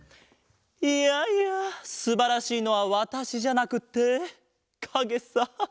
いやいやすばらしいのはわたしじゃなくってかげさ。